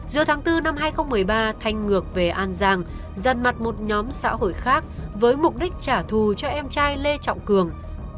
giữa tháng bốn năm hai nghìn một mươi ba thanh ngược về an giang dần mặt một nhóm xã hội khác với mục đích trả thù cho em trai lê trọng cường